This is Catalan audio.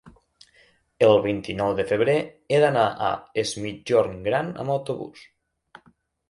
El vint-i-nou de febrer he d'anar a Es Migjorn Gran amb autobús.